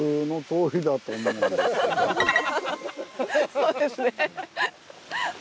そうですね。